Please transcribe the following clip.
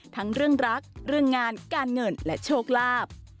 ทั้งเรื่องรักเรื่องงานการเงินและโชคลาภ